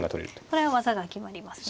これは技が決まりますね。